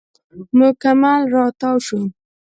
مکمل راتاو شو.